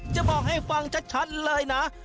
จะบอกให้ฟังชัดเลยนะ